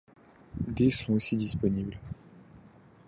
Des sont aussi disponibles.